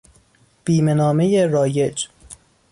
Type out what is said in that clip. بیمهنامهی رایج